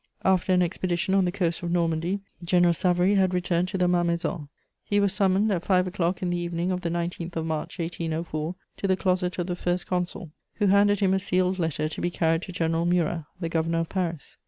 After an expedition on the coast of Normandy, General Savary had returned to the Malmaison. He was summoned, at five o'clock in the evening of the 19th of March 1804, to the closet of the First Consul, who handed him a sealed letter to be carried to General Murat, the Governor of Paris.